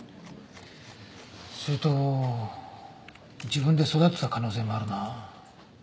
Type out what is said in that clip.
すると自分で育てた可能性もあるな。